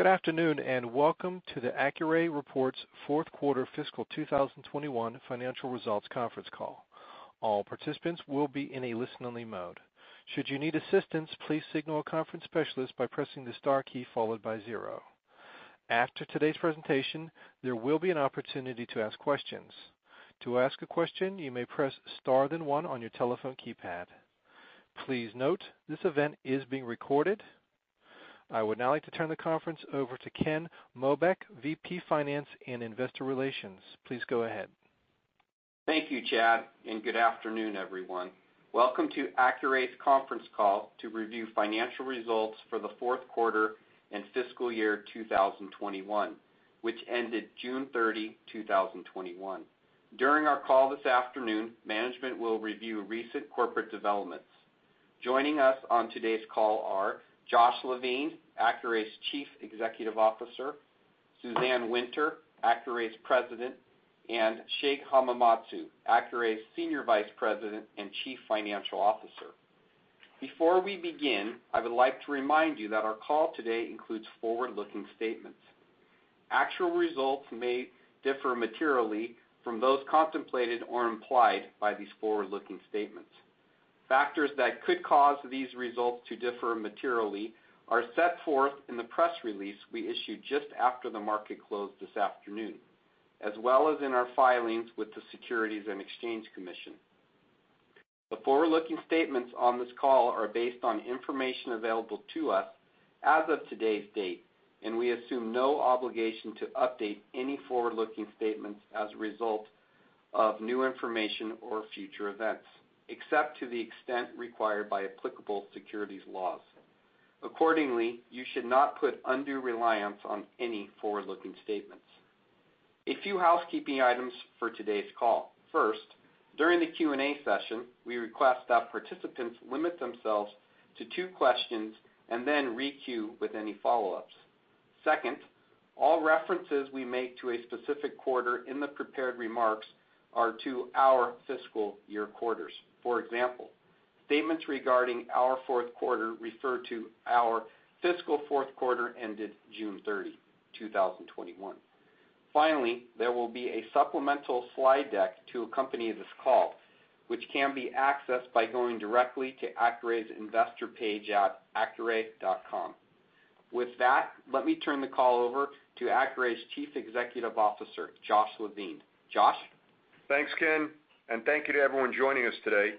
Good afternoon, and welcome to the Accuray reports fourth quarter fiscal 2021 financial results conference call. All participants will be in a listen-only mode. Should you need assistance, please signal a conference specialist by pressing the star key followed by zero. After today's presentation, there will be an opportunity to ask questions. To ask a question, you may press star, then one on your telephone keypad. Please note, this event is being recorded. I would now like to turn the conference over to Ken Mobeck, VP Finance and Investor Relations. Please go ahead. Thank you, Chad. Good afternoon, everyone. Welcome to Accuray's conference call to review financial results for the fourth quarter and fiscal year 2021, which ended June 30, 2021. During our call this afternoon, management will review recent corporate developments. Joining us on today's call are Josh Levine, Accuray's Chief Executive Officer, Suzanne Winter, Accuray's President, and Shig Hamamatsu, Accuray's Senior Vice President and Chief Financial Officer. Before we begin, I would like to remind you that our call today includes forward-looking statements. Actual results may differ materially from those contemplated or implied by these forward-looking statements. Factors that could cause these results to differ materially are set forth in the press release we issued just after the market closed this afternoon, as well as in our filings with the Securities and Exchange Commission. The forward-looking statements on this call are based on information available to us as of today's date, and we assume no obligation to update any forward-looking statements as a result of new information or future events, except to the extent required by applicable securities laws. Accordingly, you should not put undue reliance on any forward-looking statements. A few housekeeping items for today's call. First, during the Q&A session, we request that participants limit themselves to two questions and then re-queue with any follow-ups. Second, all references we make to a specific quarter in the prepared remarks are to our fiscal year quarters. For example, statements regarding our fourth quarter refer to our fiscal fourth quarter ended June 30, 2021. Finally, there will be a supplemental slide deck to accompany this call, which can be accessed by going directly to Accuray's investor page at accuray.com. With that, let me turn the call over to Accuray's Chief Executive Officer, Josh Levine. Josh? Thanks, Ken, and thank you to everyone joining us today.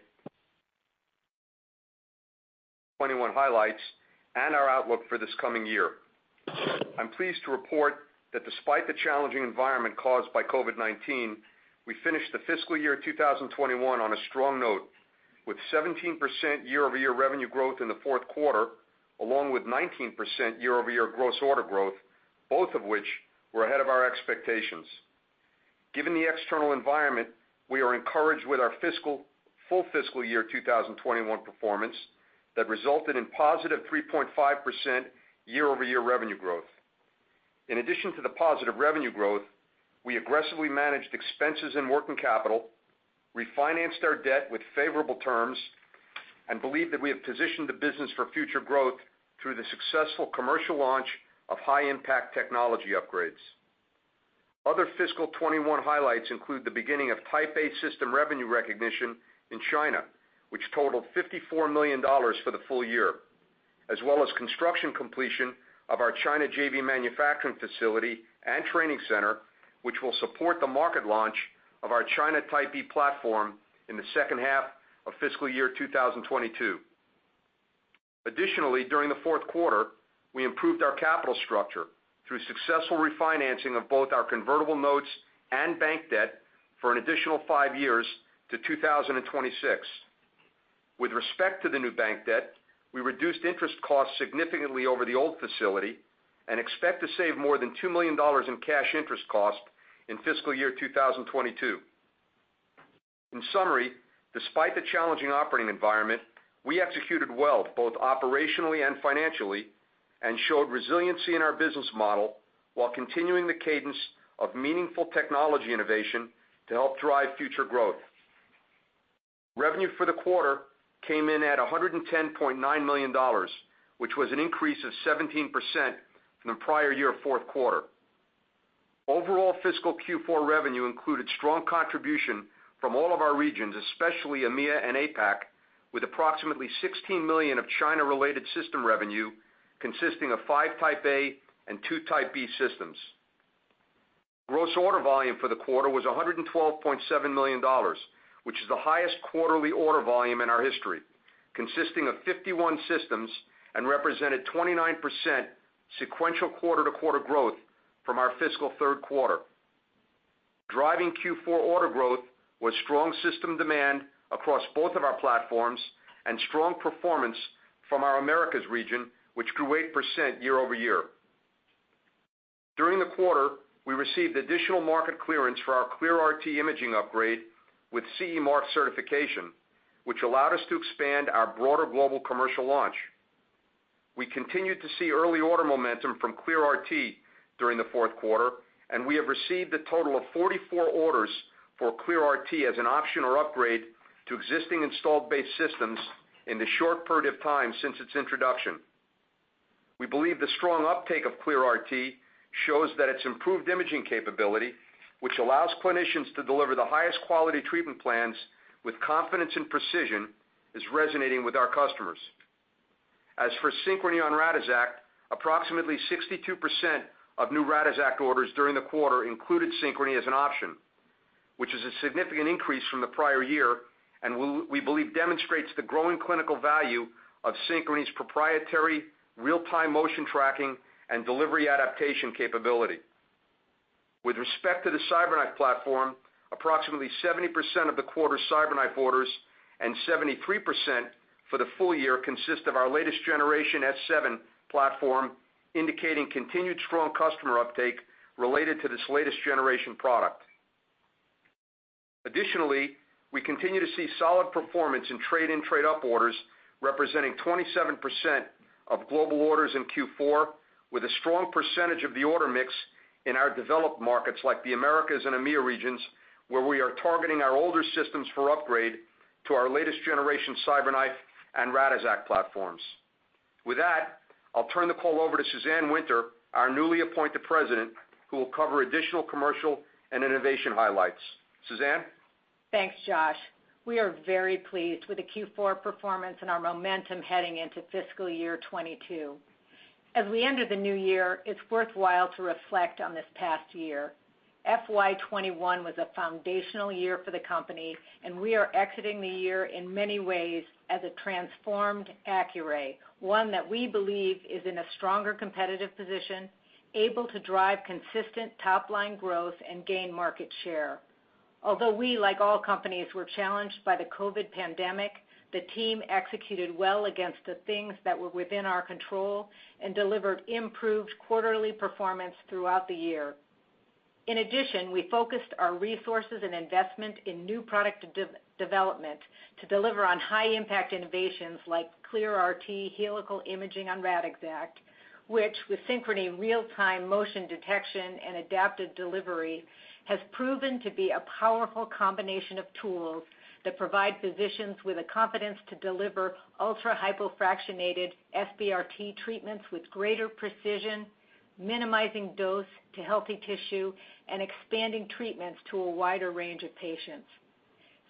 2021 highlights and our outlook for this coming year. I'm pleased to report that despite the challenging environment caused by COVID-19, we finished the fiscal year 2021 on a strong note, with 17% year-over-year revenue growth in the fourth quarter, along with 19% year-over-year gross order growth, both of which were ahead of our expectations. Given the external environment, we are encouraged with our full fiscal year 2021 performance that resulted in positive 3.5% year-over-year revenue growth. In addition to the positive revenue growth, we aggressively managed expenses and working capital, refinanced our debt with favorable terms, and believe that we have positioned the business for future growth through the successful commercial launch of high-impact technology upgrades. Other fiscal year 2021 highlights include the beginning of Type A system revenue recognition in China, which totaled $54 million for the full year, as well as construction completion of our China JV manufacturing facility and training center, which will support the market launch of our China Type B platform in the second half of fiscal year 2022. Additionally, during the fourth quarter, we improved our capital structure through successful refinancing of both our convertible notes and bank debt for an additional five years to 2026. With respect to the new bank debt, we reduced interest costs significantly over the old facility and expect to save more than $2 million in cash interest cost in fiscal year 2022. In summary, despite the challenging operating environment, we executed well both operationally and financially and showed resiliency in our business model while continuing the cadence of meaningful technology innovation to help drive future growth. Revenue for the quarter came in at $110.9 million, which was an increase of 17% from the prior year fourth quarter. Overall fiscal Q4 revenue included strong contribution from all of our regions, especially EMEA and APAC, with approximately $16 million of China-related system revenue consisting of five Type A and two Type B systems. Gross order volume for the quarter was $112.7 million, which is the highest quarterly order volume in our history, consisting of 51 systems and represented 29% sequential quarter-to-quarter growth from our fiscal third quarter. Driving Q4 order growth was strong system demand across both of our platforms and strong performance from our Americas region, which grew 8% year-over-year. During the quarter, we received additional market clearance for our ClearRT imaging upgrade with CE Mark certification, which allowed us to expand our broader global commercial launch. We continued to see early order momentum from ClearRT during the fourth quarter, and we have received a total of 44 orders for ClearRT as an option or upgrade to existing installed base systems in the short period of time since its introduction. We believe the strong uptake of ClearRT shows that its improved imaging capability, which allows clinicians to deliver the highest quality treatment plans with confidence and precision, is resonating with our customers. As for Synchrony on Radixact, approximately 62% of new Radixact orders during the quarter included Synchrony as an option, which is a significant increase from the prior year, and we believe demonstrates the growing clinical value of Synchrony's proprietary real-time motion tracking and delivery adaptation capability. With respect to the CyberKnife platform, approximately 70% of the quarter CyberKnife orders and 73% for the full year consist of our latest generation S7 platform, indicating continued strong customer uptake related to this latest generation product. We continue to see solid performance in trade-in trade-up orders, representing 27% of global orders in Q4 with a strong percentage of the order mix in our developed markets like the Americas and EMEA regions, where we are targeting our older systems for upgrade to our latest generation CyberKnife and Radixact platforms. With that, I'll turn the call over to Suzanne Winter, our newly appointed President, who will cover additional commercial and innovation highlights. Suzanne? Thanks, Josh. We are very pleased with the Q4 performance and our momentum heading into fiscal year 2022. As we enter the new year, it's worthwhile to reflect on this past year. FY 2021 was a foundational year for the company. We are exiting the year in many ways as a transformed Accuray. One that we believe is in a stronger competitive position, able to drive consistent top-line growth, and gain market share. Although we, like all companies, were challenged by the COVID-19 pandemic, the team executed well against the things that were within our control and delivered improved quarterly performance throughout the year. In addition, we focused our resources and investment in new product development to deliver on high impact innovations like ClearRT Helical Imaging on Radixact. Which, with Synchrony real-time motion detection and adaptive delivery, has proven to be a powerful combination of tools that provide physicians with the confidence to deliver ultra-hypofractionated SBRT treatments with greater precision, minimizing dose to healthy tissue and expanding treatments to a wider range of patients.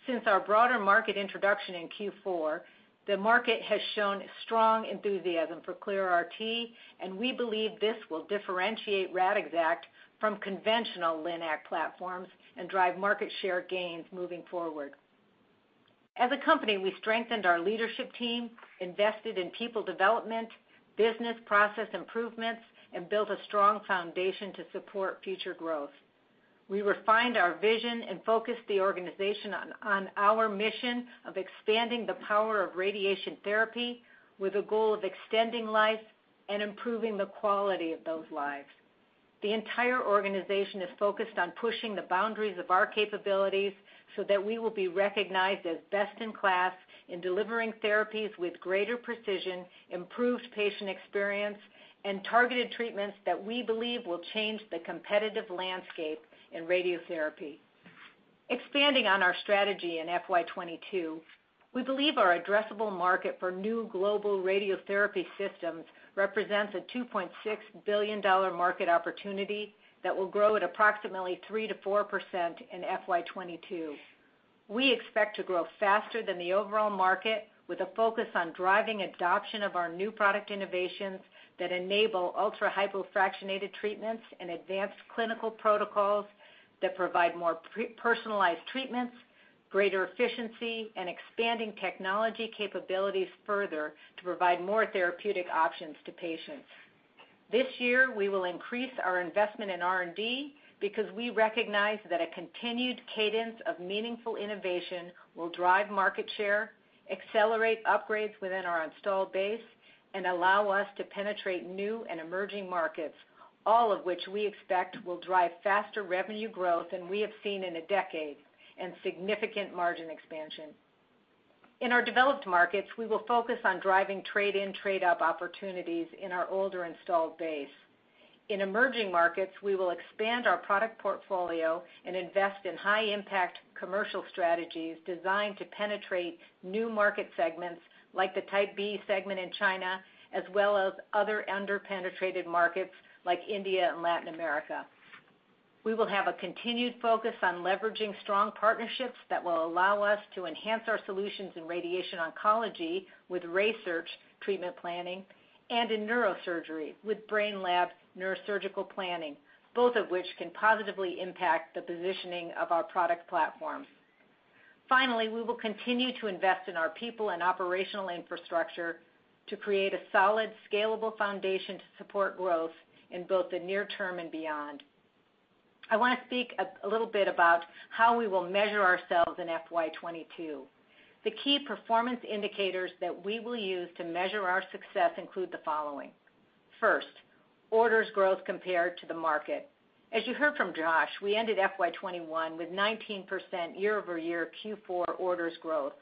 Since our broader market introduction in Q4, the market has shown strong enthusiasm for ClearRT, and we believe this will differentiate Radixact from conventional LINAC platforms and drive market share gains moving forward. As a company, we strengthened our leadership team, invested in people development, business process improvements, and built a strong foundation to support future growth. We refined our vision and focused the organization on our mission of expanding the power of radiation therapy with a goal of extending life and improving the quality of those lives. The entire organization is focused on pushing the boundaries of our capabilities so that we will be recognized as best in class in delivering therapies with greater precision, improved patient experience, and targeted treatments that we believe will change the competitive landscape in radiotherapy. Expanding on our strategy in FY 2022, we believe our addressable market for new global radiotherapy systems represents a $2.6 billion market opportunity that will grow at approximately 3%-4% in FY 2022. We expect to grow faster than the overall market with a focus on driving adoption of our new product innovations that enable ultra-hypofractionated treatments and advanced clinical protocols that provide more personalized treatments, greater efficiency, and expanding technology capabilities further to provide more therapeutic options to patients. This year, we will increase our investment in R&D because we recognize that a continued cadence of meaningful innovation will drive market share, accelerate upgrades within our installed base, and allow us to penetrate new and emerging markets. All of which we expect will drive faster revenue growth than we have seen in a decade and significant margin expansion. In our developed markets, we will focus on driving trade-in trade-up opportunities in our older installed base. In emerging markets, we will expand our product portfolio and invest in high impact commercial strategies designed to penetrate new market segments like the Type B segment in China, as well as other under-penetrated markets like India and Latin America. We will have a continued focus on leveraging strong partnerships that will allow us to enhance our solutions in radiation oncology with RaySearch treatment planning and in neurosurgery with Brainlab neurosurgical planning. Both of which can positively impact the positioning of our product platform. Finally, we will continue to invest in our people and operational infrastructure to create a solid, scalable foundation to support growth in both the near term and beyond. I want to speak a little bit about how we will measure ourselves in FY 2022. The key performance indicators that we will use to measure our success include the following. First, orders growth compared to the market. As you heard from Josh Levine, we ended FY 2021 with 19% year-over-year Q4 orders growth.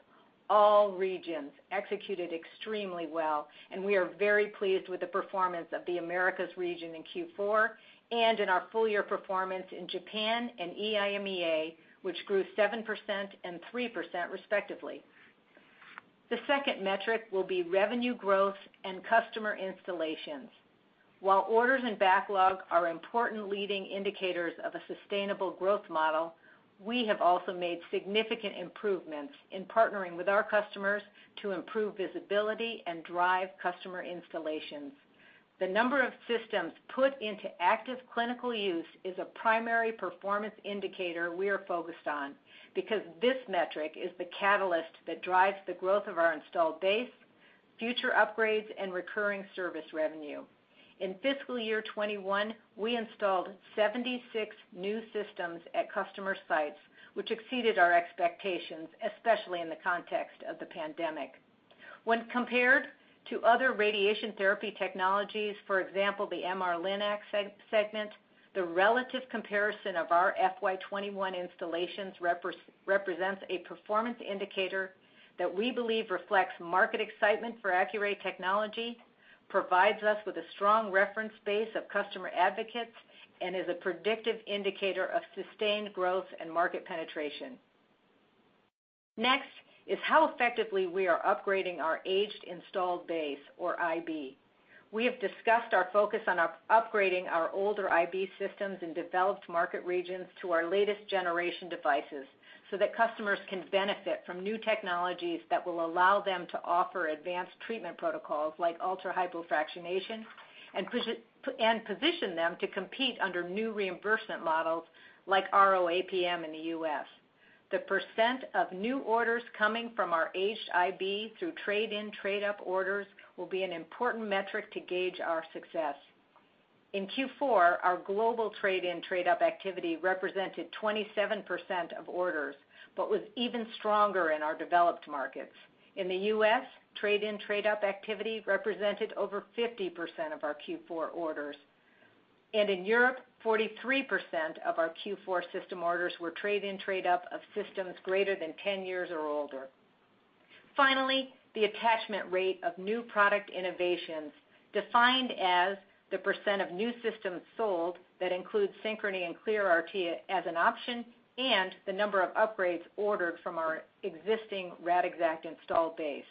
All regions executed extremely well, and we are very pleased with the performance of the Americas region in Q4 and in our full-year performance in Japan and EMEA, which grew 7% and 3% respectively. The second metric will be revenue growth and customer installations. While orders and backlog are important leading indicators of a sustainable growth model, we have also made significant improvements in partnering with our customers to improve visibility and drive customer installations. The number of systems put into active clinical use is a primary performance indicator we are focused on because this metric is the catalyst that drives the growth of our installed base, future upgrades, and recurring service revenue. In fiscal year 2021, we installed 76 new systems at customer sites, which exceeded our expectations, especially in the context of the pandemic. When compared to other radiation therapy technologies, for example, the MR LINAC segment, the relative comparison of our FY 2021 installations represents a performance indicator that we believe reflects market excitement for Accuray technology, provides us with a strong reference base of customer advocates, and is a predictive indicator of sustained growth and market penetration. Next is how effectively we are upgrading our aged installed base or IB. We have discussed our focus on upgrading our older IB systems in developed market regions to our latest generation devices so that customers can benefit from new technologies that will allow them to offer advanced treatment protocols like ultra-hypofractionation and position them to compete under new reimbursement models like RO-APM in the U.S. The % of new orders coming from our aged IB through trade-in/trade-up orders will be an important metric to gauge our success. In Q4, our global trade-in/trade-up activity represented 27% of orders, but was even stronger in our developed markets. In the U.S., trade-in/trade-up activity represented over 50% of our Q4 orders. In Europe, 43% of our Q4 system orders were trade-in/trade-up of systems greater than 10 years or older. Finally, the attachment rate of new product innovations, defined as the percent of new systems sold that include Synchrony and ClearRT as an option, and the number of upgrades ordered from our existing Radixact installed base.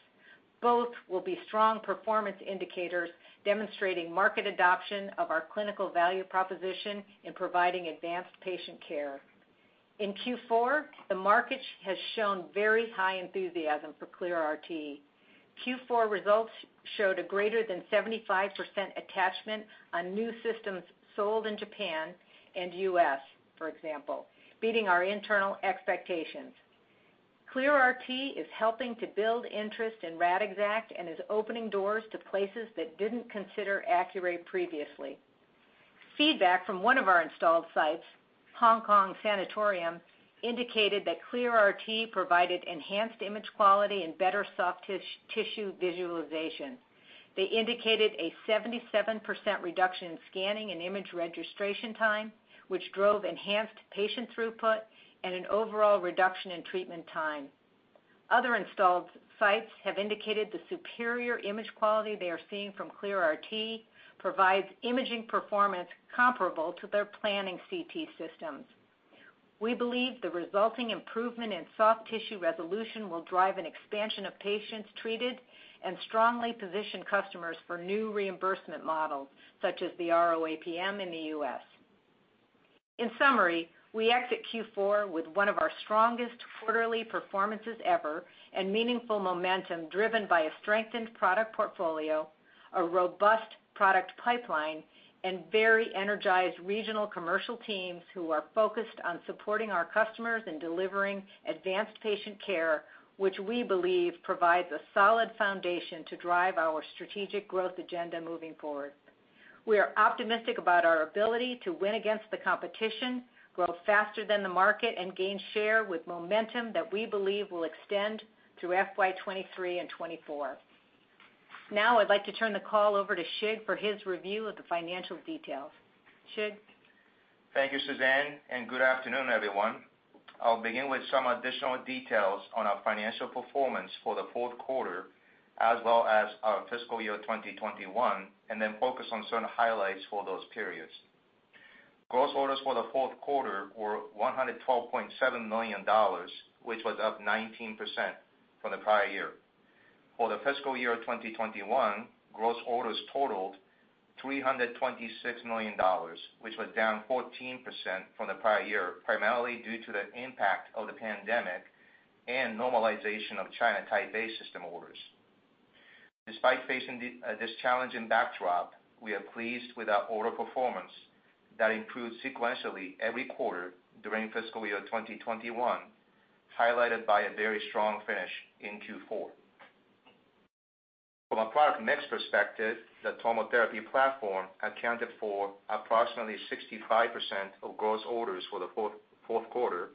Both will be strong performance indicators demonstrating market adoption of our clinical value proposition in providing advanced patient care. In Q4, the market has shown very high enthusiasm for ClearRT. Q4 results showed a greater than 75% attachment on new systems sold in Japan and U.S., for example, beating our internal expectations. ClearRT is helping to build interest in Radixact and is opening doors to places that didn't consider Accuray previously. Feedback from one of our installed sites, Hong Kong Sanatorium, indicated that ClearRT provided enhanced image quality and better soft tissue visualization. They indicated a 77% reduction in scanning and image registration time, which drove enhanced patient throughput and an overall reduction in treatment time. Other installed sites have indicated the superior image quality they are seeing from ClearRT provides imaging performance comparable to their planning CT systems. We believe the resulting improvement in soft tissue resolution will drive an expansion of patients treated and strongly position customers for new reimbursement models, such as the RO-APM in the U.S. In summary, we exit Q4 with one of our strongest quarterly performances ever and meaningful momentum driven by a strengthened product portfolio, a robust product pipeline, and very energized regional commercial teams who are focused on supporting our customers in delivering advanced patient care, which we believe provides a solid foundation to drive our strategic growth agenda moving forward. We are optimistic about our ability to win against the competition, grow faster than the market, and gain share with momentum that we believe will extend through FY 2023 and 2024. Now I'd like to turn the call over to Shig for his review of the financial details. Shig? Thank you, Suzanne. Good afternoon, everyone. I'll begin with some additional details on our financial performance for the fourth quarter as well as our fiscal year 2021, and then focus on certain highlights for those periods. Gross orders for the fourth quarter were $112.7 million, which was up 19% from the prior year. For the fiscal year 2021, gross orders totaled $326 million, which was down 14% from the prior year, primarily due to the impact of the pandemic and normalization of China Type A system orders. Despite facing this challenging backdrop, we are pleased with our order performance that improved sequentially every quarter during fiscal year 2021, highlighted by a very strong finish in Q4. From a product mix perspective, the TomoTherapy platform accounted for approximately 65% of gross orders for the fourth quarter,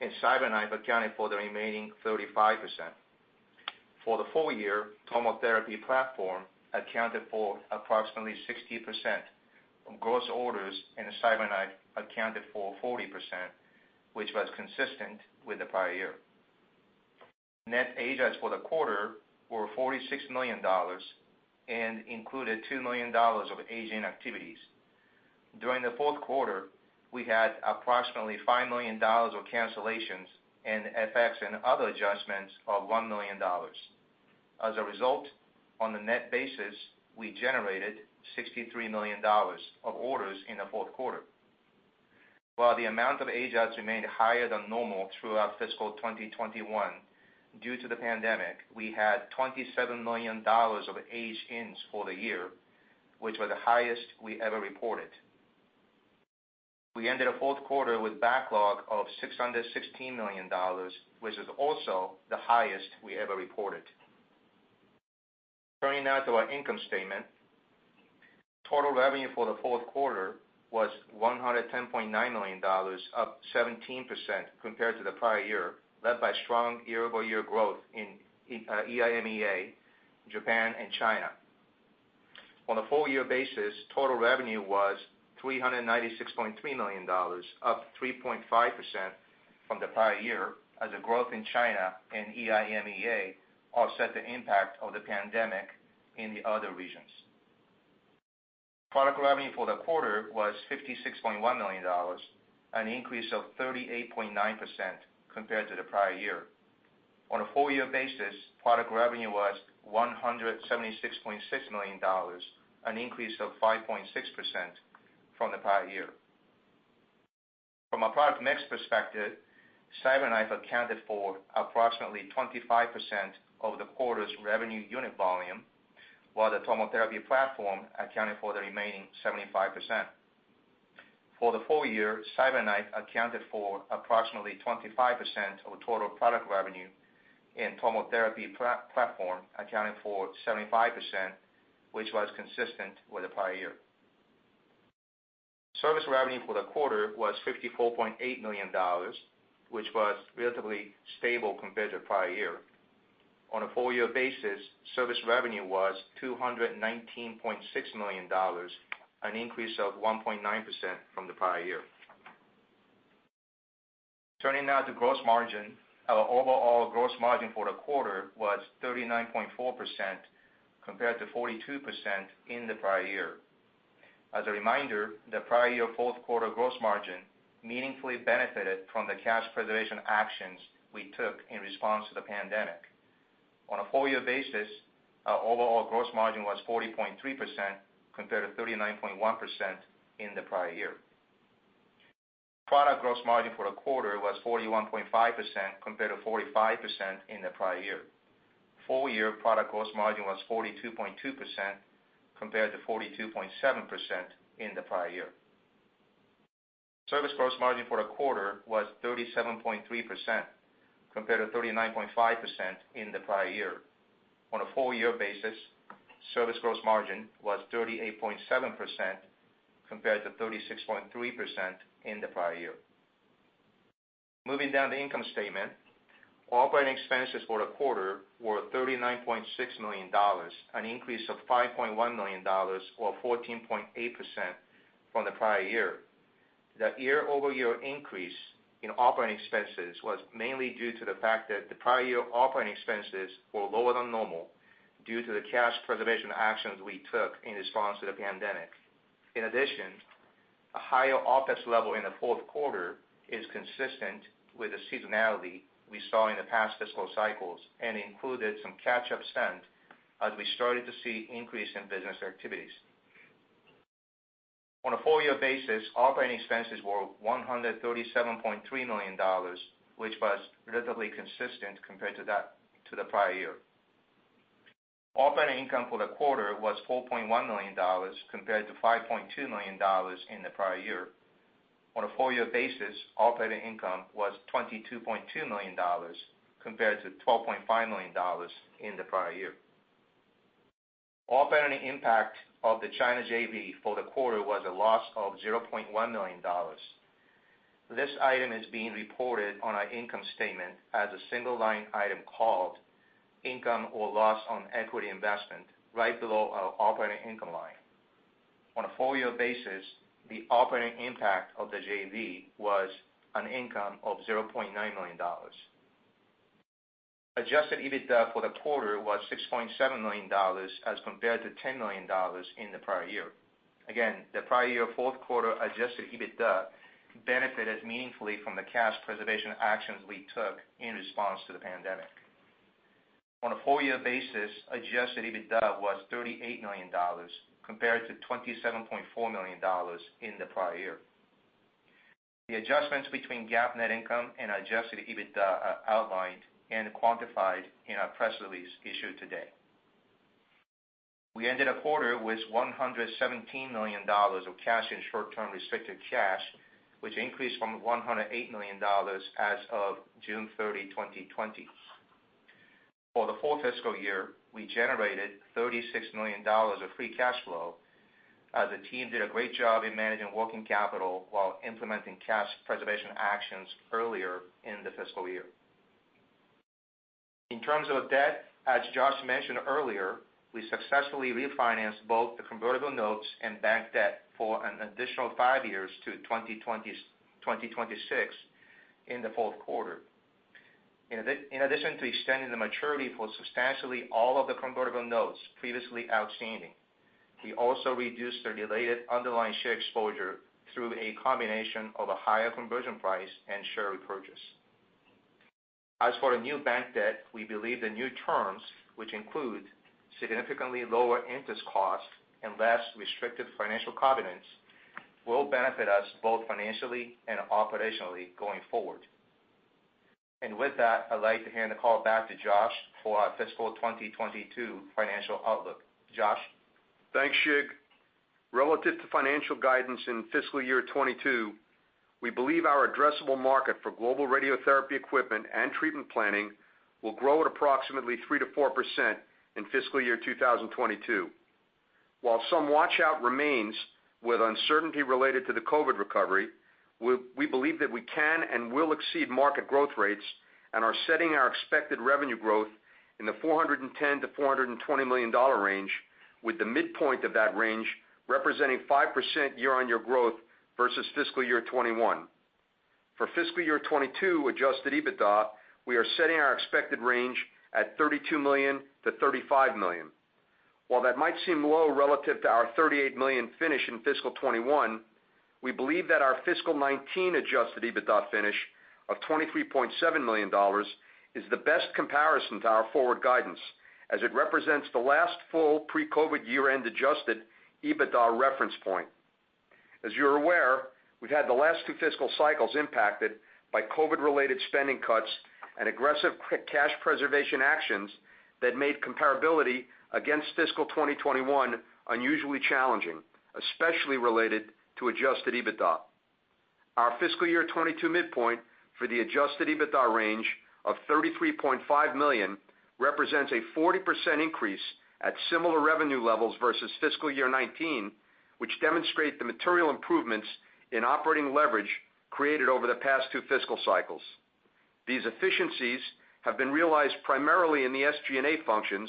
and CyberKnife accounted for the remaining 35%. For the full year, TomoTherapy platform accounted for approximately 60% of gross orders, and the CyberKnife accounted for 40%, which was consistent with the prior year. Net age-outs for the quarter were $46 million and included $2 million of age-in activities. During the fourth quarter, we had approximately $5 million of cancellations and FX and other adjustments of $1 million. On a net basis, we generated $63 million of orders in the fourth quarter. While the amount of age-outs remained higher than normal throughout fiscal 2021, due to the pandemic, we had $27 million of age-ins for the year, which were the highest we ever reported. We ended the fourth quarter with backlog of $616 million, which is also the highest we ever reported. Turning now to our income statement. Total revenue for the fourth quarter was $110.9 million, up 17% compared to the prior year, led by strong year-over-year growth in EMEA, Japan, and China. On a full-year basis, total revenue was $396.3 million, up 3.5% from the prior year as a growth in China and EMEA offset the impact of the pandemic in the other regions. Product revenue for the quarter was $56.1 million, an increase of 38.9% compared to the prior year. On a full-year basis, product revenue was $176.6 million, an increase of 5.6% from the prior year. From a product mix perspective, CyberKnife accounted for approximately 25% of the quarter's revenue unit volume, while the TomoTherapy platform accounted for the remaining 75%. For the full year, CyberKnife accounted for approximately 25% of total product revenue and TomoTherapy platform accounted for 75%, which was consistent with the prior year. Service revenue for the quarter was $54.8 million, which was relatively stable compared to prior year. On a full-year basis, service revenue was $219.6 million, an increase of 1.9% from the prior year. Turning now to gross margin. Our overall gross margin for the quarter was 39.4% compared to 42% in the prior year. As a reminder, the prior year fourth quarter gross margin meaningfully benefited from the cash preservation actions we took in response to the pandemic. On a full-year basis, our overall gross margin was 40.3% compared to 39.1% in the prior year. Product gross margin for the quarter was 41.5% compared to 45% in the prior year. Full-year product gross margin was 42.2% compared to 42.7% in the prior year. Service gross margin for the quarter was 37.3% compared to 39.5% in the prior year. On a full-year basis, service gross margin was 38.7% compared to 36.3% in the prior year. Moving down the income statement. Operating expenses for the quarter were $39.6 million, an increase of $5.1 million or 14.8% from the prior year. The year-over-year increase in operating expenses was mainly due to the fact that the prior year operating expenses were lower than normal due to the cash preservation actions we took in response to the pandemic. In addition, a higher OpEx level in the fourth quarter is consistent with the seasonality we saw in the past fiscal cycles and included some catch-up spend as we started to see increase in business activities. On a full-year basis, operating expenses were $137.3 million, which was relatively consistent compared to the prior year. Operating income for the quarter was $4.1 million, compared to $5.2 million in the prior year. On a full-year basis, operating income was $22.2 million, compared to $12.5 million in the prior year. Operating impact of the China JV for the quarter was a loss of $0.1 million. This item is being reported on our income statement as a single-line item called income or loss on equity investment right below our operating income line. On a full-year basis, the operating impact of the JV was an income of $0.9 million. Adjusted EBITDA for the quarter was $6.7 million as compared to $10 million in the prior year. Again, the prior year fourth quarter adjusted EBITDA benefited meaningfully from the cash preservation actions we took in response to the pandemic. On a full-year basis, adjusted EBITDA was $38 million compared to $27.4 million in the prior year. The adjustments between GAAP net income and adjusted EBITDA are outlined and quantified in our press release issued today. We ended the quarter with $117 million of cash and short-term restricted cash, which increased from $108 million as of June 30, 2020. For the full fiscal year, we generated $36 million of free cash flow. The team did a great job in managing working capital while implementing cash preservation actions earlier in the fiscal year. In terms of debt, as Josh mentioned earlier, we successfully refinanced both the convertible notes and bank debt for an additional five years to 2026 in the fourth quarter. In addition to extending the maturity for substantially all of the convertible notes previously outstanding, we also reduced the related underlying share exposure through a combination of a higher conversion price and share repurchase. As for the new bank debt, we believe the new terms, which include significantly lower interest cost and less restrictive financial covenants, will benefit us both financially and operationally going forward. With that, I'd like to hand the call back to Josh for our fiscal 2022 financial outlook. Josh? Thanks, Shig. Relative to financial guidance in fiscal year 2022, we believe our addressable market for global radiotherapy equipment and treatment planning will grow at approximately 3%-4% in fiscal year 2022. While some watch-out remains with uncertainty related to the COVID recovery, we believe that we can and will exceed market growth rates and are setting our expected revenue growth in the $410 million-$420 million range, with the midpoint of that range representing 5% year-on-year growth versus fiscal year 2021. For fiscal year 2022 adjusted EBITDA, we are setting our expected range at $32 million-$35 million. While that might seem low relative to our $38 million finish in fiscal 2021, we believe that our fiscal 2019 adjusted EBITDA finish of $23.7 million is the best comparison to our forward guidance, as it represents the last full pre-COVID year-end adjusted EBITDA reference point. As you're aware, we've had the last two fiscal cycles impacted by COVID-related spending cuts and aggressive cash preservation actions that made comparability against fiscal 2021 unusually challenging, especially related to adjusted EBITDA. Our fiscal year 2022 midpoint for the adjusted EBITDA range of $33.5 million represents a 40% increase at similar revenue levels versus fiscal year 2019, which demonstrates the material improvements in operating leverage created over the past two fiscal cycles. These efficiencies have been realized primarily in the SG&A functions,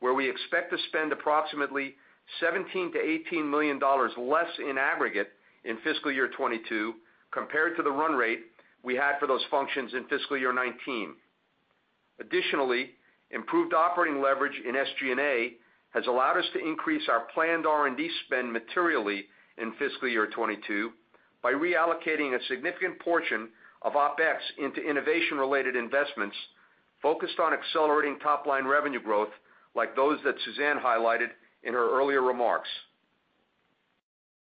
where we expect to spend approximately $17 million-$18 million less in aggregate in fiscal year 2022 compared to the run rate we had for those functions in fiscal year 2019. Additionally, improved operating leverage in SG&A has allowed us to increase our planned R&D spend materially in fiscal year 2022 by reallocating a significant portion of OpEx into innovation-related investments focused on accelerating top-line revenue growth, like those that Suzanne highlighted in her earlier remarks.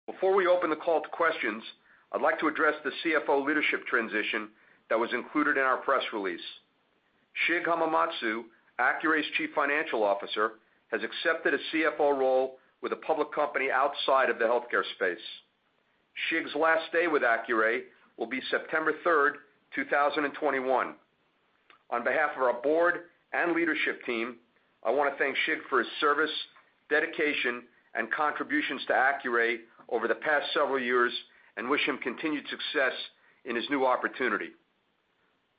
Before we open the call to questions, I'd like to address the CFO leadership transition that was included in our press release. Shig Hamamatsu, Accuray's Chief Financial Officer, has accepted a CFO role with a public company outside of the healthcare space. Shig's last day with Accuray will be September 3rd, 2021. On behalf of our board and leadership team, I want to thank Shig for his service, dedication, and contributions to Accuray over the past several years and wish him continued success in his new opportunity.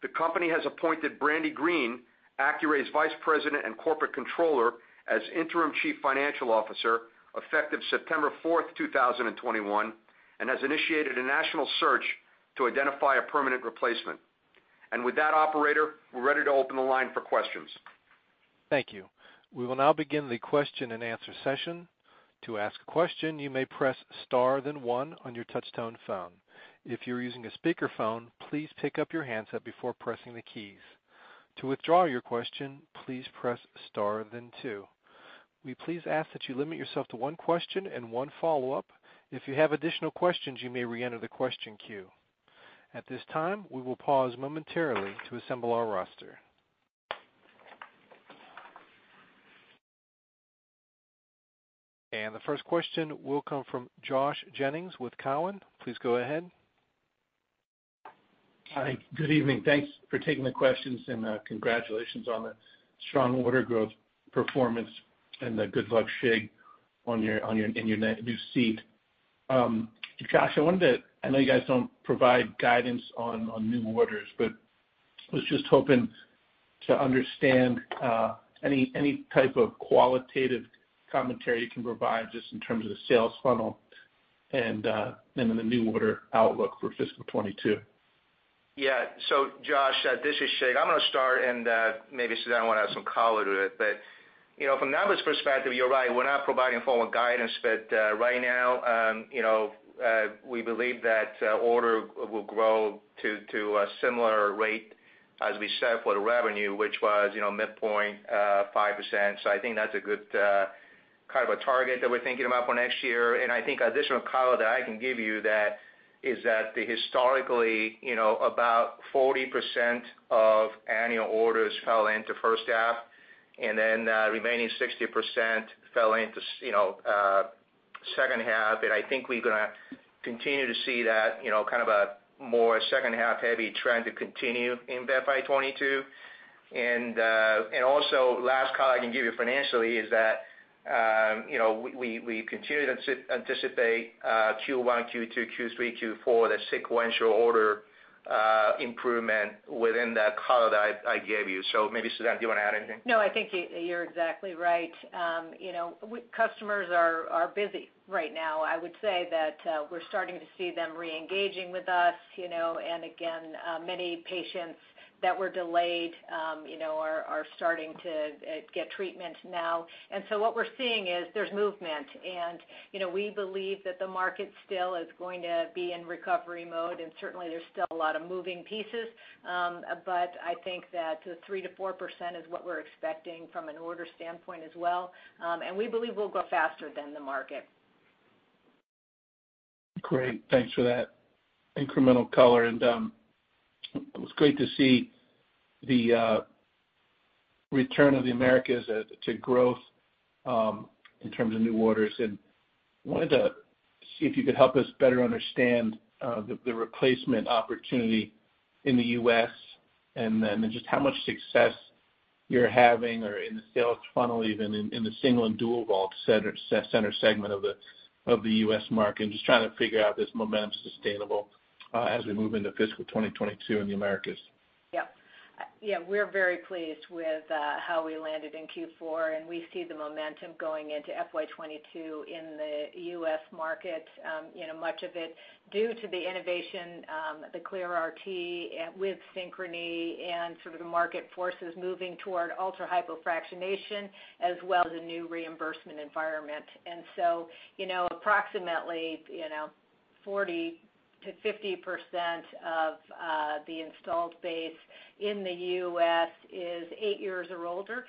The company has appointed Brandy Green, Accuray's Vice President and Corporate Controller, as Interim Chief Financial Officer effective September 4th, 2021, and has initiated a national search to identify a permanent replacement. With that, operator, we're ready to open the line for questions. Thank you. We will now begin the question-and-answer session. To ask a question, you may press star then one on your touchtone phone. If you are using a speakerphone, please pick up your handset before pressing the keys. To withdraw your question, please press star then two. We please ask that you limit yourself to one question and one follow-up. If you have additional questions, you may reenter the question queue. At this time, we will pause momentarily to assemble our roster. The first question will come from Josh Jennings with Cowen. Please go ahead. Hi. Good evening. Thanks for taking the questions and congratulations on the strong order growth performance. Good luck, Shig, in your new seat. Josh, I know you guys don't provide guidance on new orders, was just hoping to understand any type of qualitative commentary you can provide, just in terms of the sales funnel and in the new order outlook for fiscal 2022. Yeah. Josh, this is Shig. I'm going to start, and maybe Suzanne want to add some color to it, but from numbers perspective, you're right. We're not providing formal guidance. Right now, we believe that order will grow to a similar rate as we set for the revenue, which was midpoint 5%. I think that's a good target that we're thinking about for next year. I think additional color that I can give you is that historically, about 40% of annual orders fell into first half, and then the remaining 60% fell into second half. I think we're going to continue to see that more second-half-heavy trend to continue in FY 2022. Also, last call I can give you financially is that we continue to anticipate Q1, Q2, Q3, Q4, the sequential order improvement within that call that I gave you. Maybe, Suzanne, do you want to add anything? No, I think you're exactly right. Customers are busy right now. I would say that we're starting to see them re-engaging with us. Again, many patients that were delayed are starting to get treatment now. What we're seeing is there's movement, and we believe that the market still is going to be in recovery mode, and certainly, there's still a lot of moving pieces. I think that the 3%-4% is what we're expecting from an order standpoint as well. We believe we'll go faster than the market. Great. Thanks for that incremental color. It was great to see the return of the Americas to growth in terms of new orders. Wanted to see if you could help us better understand the replacement opportunity in the U.S. and then just how much success you're having or in the sales funnel, even in the single and dual vault center segment of the U.S. market, and just trying to figure out if this momentum is sustainable as we move into fiscal 2022 in the Americas? Yeah. We're very pleased with how we landed in Q4. We see the momentum going into FY 2022 in the U.S. market. Much of it due to the innovation, the ClearRT with Synchrony, and sort of the market forces moving toward ultra-hypofractionation, as well as a new reimbursement environment. Approximately 40%-50% of the installed base in the U.S. is eight years or older.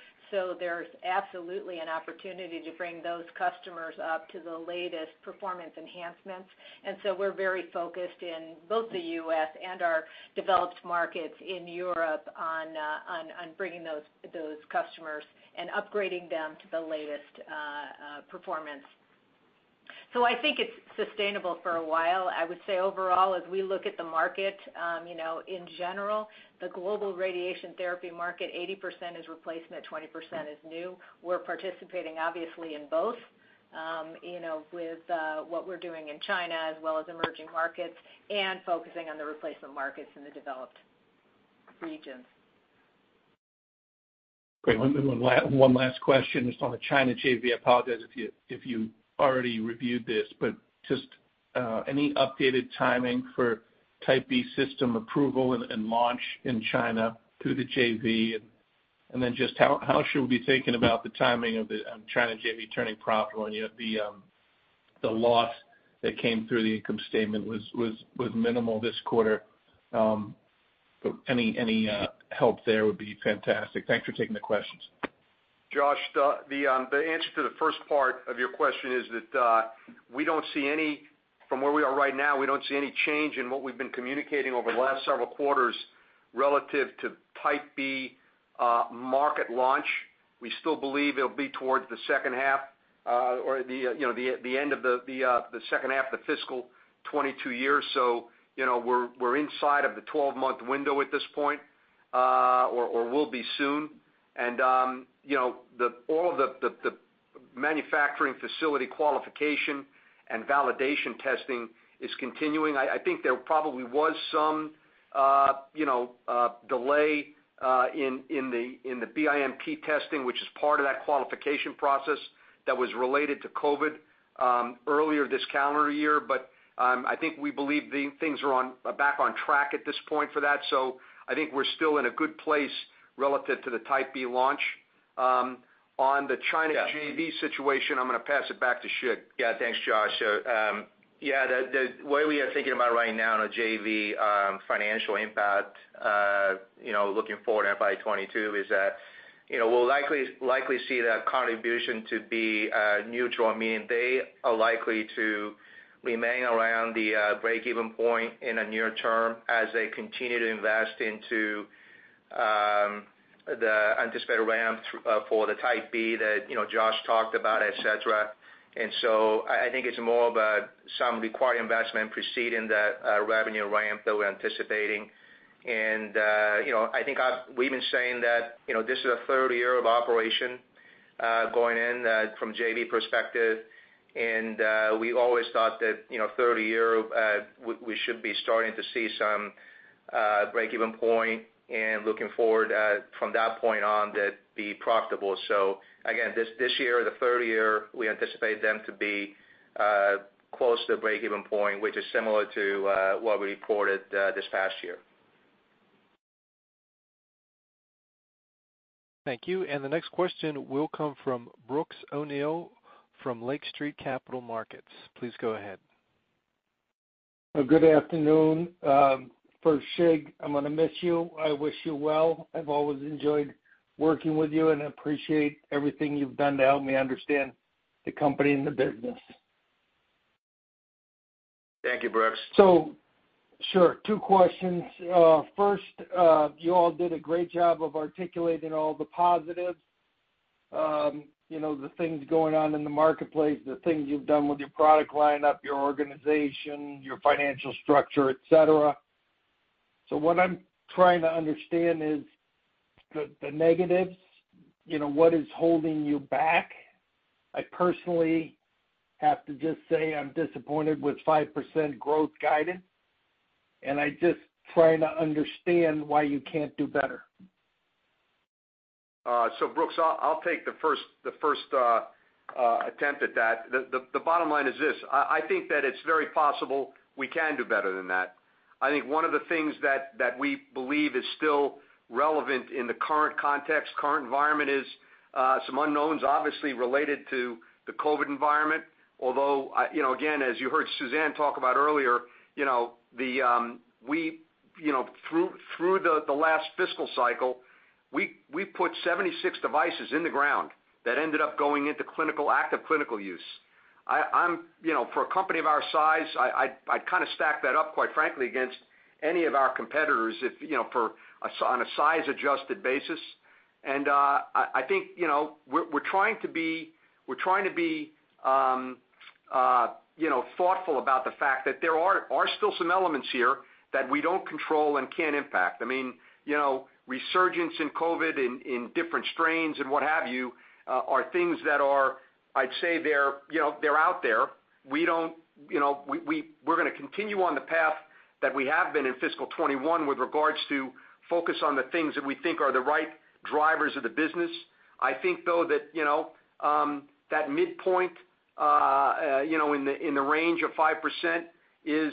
There's absolutely an opportunity to bring those customers up to the latest performance enhancements. We're very focused in both the U.S. and our developed markets in Europe on bringing those customers and upgrading them to the latest performance. I think it's sustainable for a while. I would say overall, as we look at the market, in general, the global radiation therapy market, 80% is replacement, 20% is new. We're participating, obviously, in both with what we're doing in China as well as emerging markets and focusing on the replacement markets in the developed regions. Great. One last question. Just on the China JV, I apologize if you already reviewed this. Just any updated timing for Type B system approval and launch in China through the JV? Just how should we be thinking about the timing of the China JV turning profitable? The loss that came through the income statement was minimal this quarter. Any help there would be fantastic. Thanks for taking the questions. Josh, the answer to the first part of your question is that from where we are right now, we don't see any change in what we've been communicating over the last several quarters relative to Type B market launch. We still believe it'll be towards the second half or the end of the second half of the fiscal 2022 year. We're inside of the 12-month window at this point or will be soon. All of the manufacturing facility qualification and validation testing is continuing. I think there probably was some delay in the BIMT testing, which is part of that qualification process that was related to COVID earlier this calendar year. I think we believe things are back on track at this point for that. I think we're still in a good place relative to the Type B launch. On the China JV situation, I'm going to pass it back to Shig. Yeah, thanks, Josh. Yeah, the way we are thinking about right now the JV financial impact looking forward FY 2022 is that we'll likely see that contribution to be neutral, meaning they are likely to remain around the breakeven point in the near term as they continue to invest into the anticipated ramp for the Type B that Josh talked about, et cetera. I think it's more of some required investment preceding the revenue ramp that we're anticipating. I think we've been saying that this is a third year of operation going in from JV perspective. We always thought that third year, we should be starting to see some breakeven point and looking forward from that point on that be profitable. Again, this year, the third year, we anticipate them to be close to the breakeven point, which is similar to what we reported this past year. Thank you. The next question will come from Brooks O'Neil from Lake Street Capital Markets. Please go ahead. Good afternoon. First, Shig, I'm going to miss you. I wish you well. I've always enjoyed working with you, and I appreciate everything you've done to help me understand the company and the business. Thank you, Brooks. Sure. Two questions. First, you all did a great job of articulating all the positives. The things going on in the marketplace, the things you've done with your product lineup, your organization, your financial structure, et cetera. What I'm trying to understand is the negatives, what is holding you back? I personally have to just say I'm disappointed with 5% growth guidance, and I'm just trying to understand why you can't do better. Brooks, I'll take the first attempt at that. The bottom line is this, I think that it's very possible we can do better than that. I think one of the things that we believe is still relevant in the current context, current environment is, some unknowns, obviously, related to the COVID environment. Although, again, as you heard Suzanne talk about earlier, through the last fiscal cycle, we put 76 devices in the ground that ended up going into active clinical use. For a company of our size, I kind of stack that up, quite frankly, against any of our competitors on a size-adjusted basis. I think we're trying to be thoughtful about the fact that there are still some elements here that we don't control and can't impact. Resurgence in COVID in different strains and what have you, are things that I'd say they're out there. We're going to continue on the path that we have been in fiscal 2021 with regards to focus on the things that we think are the right drivers of the business. I think, though, that midpoint in the range of 5% is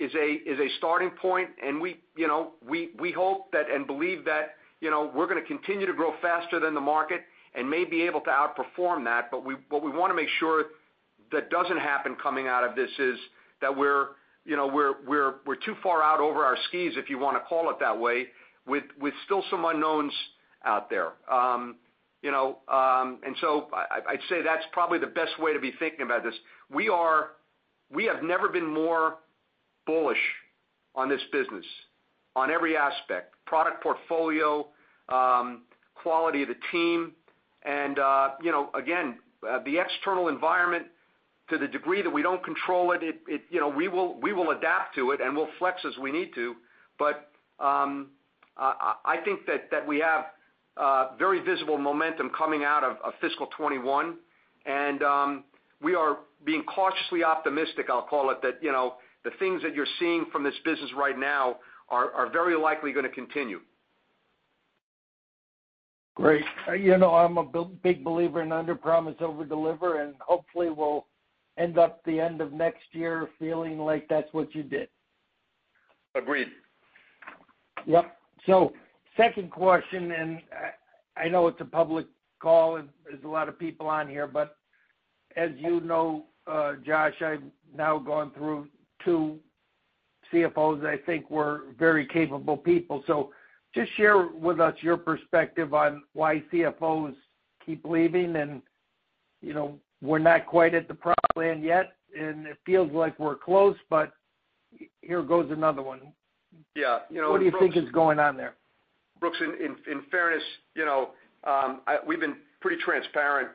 a starting point, and we hope and believe that we're going to continue to grow faster than the market and may be able to outperform that. What we want to make sure that doesn't happen coming out of this is that we're too far out over our skis, if you want to call it that way, with still some unknowns out there. I'd say that's probably the best way to be thinking about this. We have never been more bullish on this business, on every aspect. product portfolio, quality of the team. Again, the external environment, to the degree that we don't control it, we will adapt to it and we'll flex as we need to. I think that we have very visible momentum coming out of fiscal 2021, and we are being cautiously optimistic, I'll call it, that the things that you're seeing from this business right now are very likely going to continue. Great. I'm a big believer in underpromise, overdeliver, and hopefully we'll end up the end of next year feeling like that's what you did. Agreed. Yep. Second question, and I know it's a public call and there's a lot of people on here, but as you know, Josh, I've now gone through two CFOs I think we, re very capable people. Just share with us your perspective on why CFOs keep leaving and we're not quite at the promised land yet, and it feels like we're close, but here goes another one. Yeah. What do you think is going on there? Brooks, in fairness, we've been pretty transparent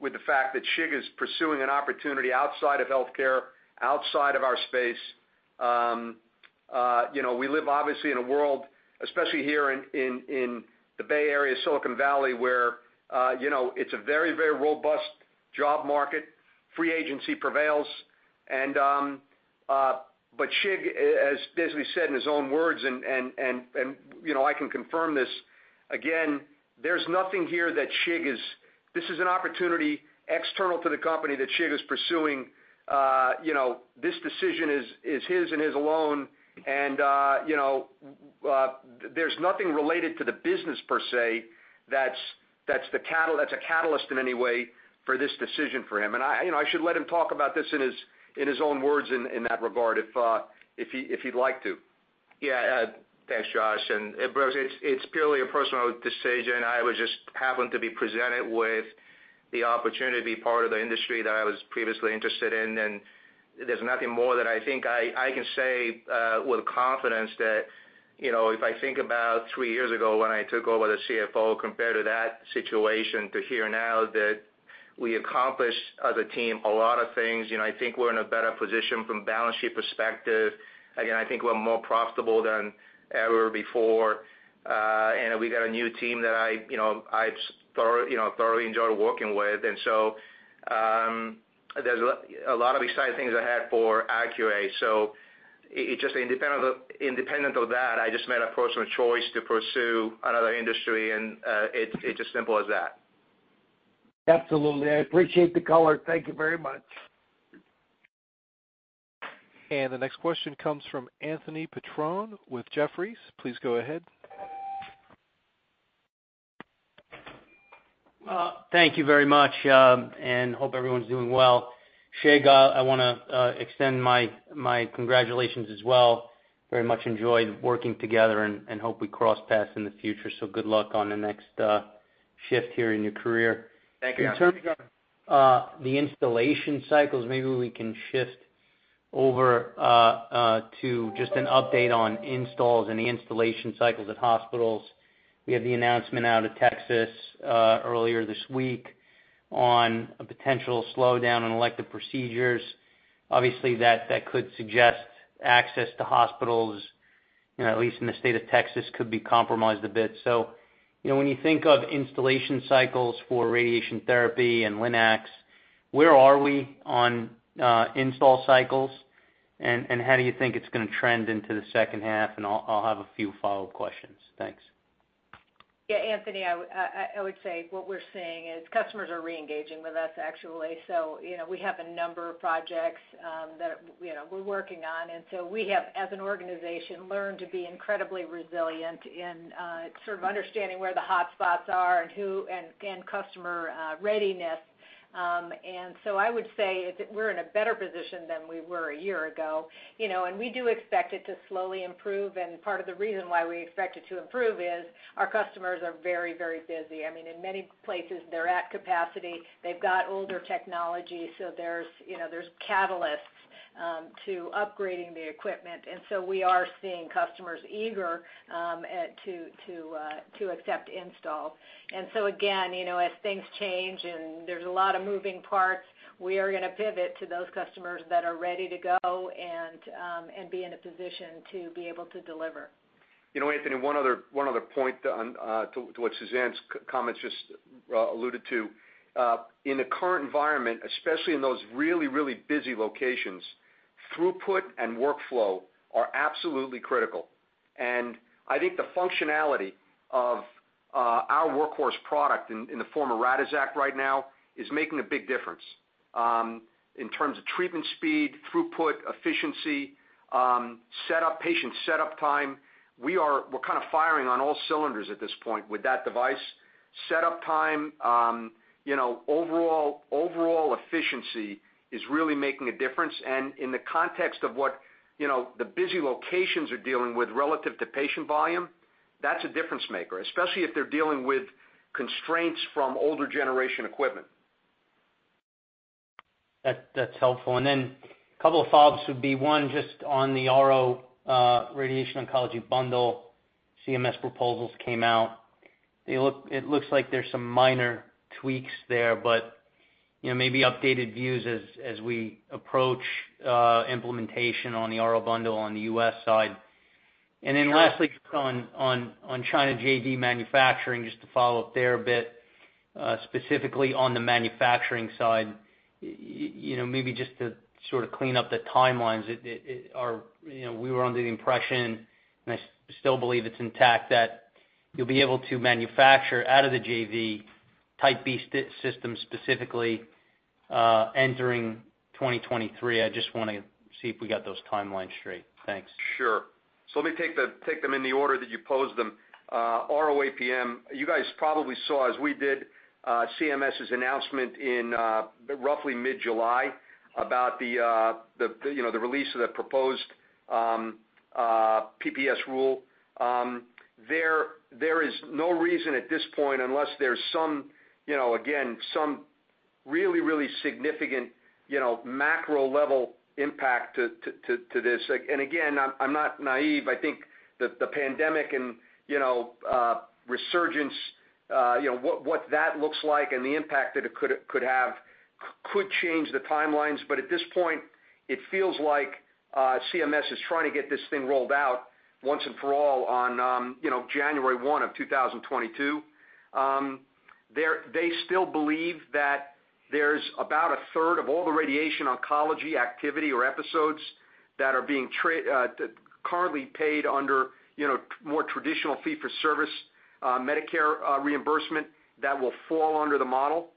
with the fact that Shig is pursuing an opportunity outside of healthcare, outside of our space. We live, obviously, in a world, especially here in the Bay Area, Silicon Valley, where it's a very robust job market. Free agency prevails. Shig, as basically said in his own words, and I can confirm this, again, this is an opportunity external to the company that Shig is pursuing. This decision is his and his alone. There's nothing related to the business per se that's a catalyst in any way for this decision for him. I should let him talk about this in his own words in that regard if he'd like to. Yeah. Thanks, Josh. Brooks, it's purely a personal decision. I was just happened to be presented with the opportunity to be part of the industry that I was previously interested in, there's nothing more that I think I can say with confidence that, if I think about three years ago when I took over the CFO, compared to that situation to here now, that we accomplished as a team a lot of things. I think we're in a better position from balance sheet perspective. Again, I think we're more profitable than ever before. We've got a new team that I thoroughly enjoy working with. There's a lot of exciting things ahead for Accuray. Just independent of that, I just made a personal choice to pursue another industry, it's as simple as that. Absolutely. I appreciate the color. Thank you very much. The next question comes from Anthony Petrone with Jefferies. Please go ahead. Thank you very much. Hope everyone's doing well. Shig, I want to extend my congratulations as well. Very much enjoyed working together and hope we cross paths in the future. Good luck on the next shift here in your career. Thank you. In terms of the installation cycles, maybe we can shift over to just an update on installs and installation cycles at hospitals. We had the announcement out of Texas earlier this week on a potential slowdown in elective procedures. Obviously, that could suggest access to hospitals, at least in the state of Texas, could be compromised a bit. When you think of installation cycles for radiation therapy and LINACs, where are we on install cycles, and how do you think it's going to trend into the second half? I'll have a few follow-up questions. Thanks. Yeah, Anthony Petrone, I would say what we're seeing is customers are re-engaging with us, actually. We have a number of projects that we're working on. We have, as an organization, learned to be incredibly resilient in sort of understanding where the hotspots are and customer readiness. I would say we're in a better position than we were a year ago. We do expect it to slowly improve. Part of the reason why we expect it to improve is our customers are very busy. I mean, in many places, they're at capacity. They've got older technology, so there's catalysts to upgrading the equipment. We are seeing customers eager to accept install. Again, as things change and there's a lot of moving parts, we are going to pivot to those customers that are ready to go and be in a position to be able to deliver. Anthony, one other point to what Suzanne's comments just alluded to. In the current environment, especially in those really busy locations, throughput and workflow are absolutely critical. I think the functionality of our workhorse product in the form of Radixact right now is making a big difference. In terms of treatment speed, throughput, efficiency, patient setup time, we're kind of firing on all cylinders at this point with that device. Setup time, overall efficiency is really making a difference. In the context of what the busy locations are dealing with relative to patient volume, that's a difference maker, especially if they're dealing with constraints from older generation equipment. That's helpful. A couple of follow-ups would be, one, just on the RO radiation oncology bundle, CMS proposals came out. It looks like there's some minor tweaks there, maybe updated views as we approach implementation on the RO bundle on the U.S. side. Sure. Lastly, on China JV manufacturing, just to follow up there a bit, specifically on the manufacturing side. Maybe just to sort of clean up the timelines. We were under the impression, and I still believe it's intact, that you'll be able to manufacture out of the JV Type B systems specifically, entering 2023. I just want to see if we got those timelines straight. Thanks. Sure. Let me take them in the order that you posed them. ROAPM, you guys probably saw, as we did, CMS's announcement in roughly mid-July about the release of the proposed PPS rule. There is no reason at this point, unless there's, again, some really significant macro-level impact to this. Again, I'm not naive. I think that the pandemic and resurgence, what that looks like and the impact that it could have, could change the timelines. At this point, it feels like CMS is trying to get this thing rolled out once and for all on January 1 of 2022. They still believe that there's about a third of all the radiation oncology activity or episodes that are being currently paid under more traditional fee-for-service Medicare reimbursement that will fall under the model.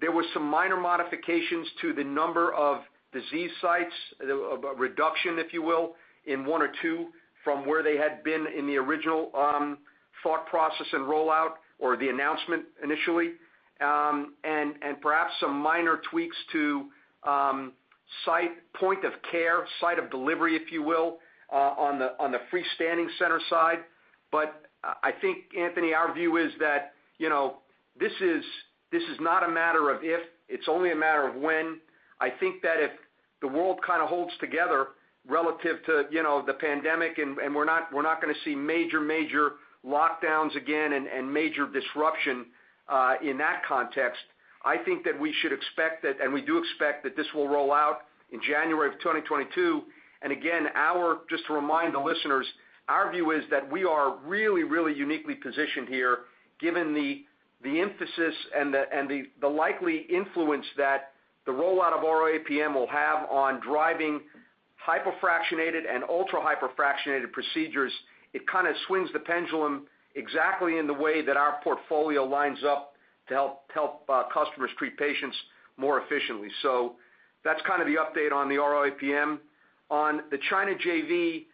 There were some minor modifications to the number of disease sites, a reduction, if you will, in one or two from where they had been in the original thought process and rollout or the announcement initially. Perhaps some minor tweaks to site point of care, site of delivery, if you will, on the freestanding center side. I think, Anthony, our view is that this is not a matter of if, it's only a matter of when. I think that if the world kind of holds together relative to the pandemic, and we're not going to see major lockdowns again and major disruption in that context, I think that we should expect that, and we do expect that this will roll out in January of 2022. Again, just to remind the listeners, our view is that we are really uniquely positioned here, given the emphasis and the likely influence that the rollout of ROAPM will have on driving hypofractionated and ultra-hypofractionated procedures. It kind of swings the pendulum exactly in the way that our portfolio lines up to help customers treat patients more efficiently. That's kind of the update on the ROAPM. On the China JV,